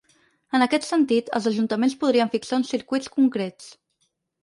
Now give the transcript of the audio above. En aquest sentit, els ajuntaments podrien fixar uns circuits concrets.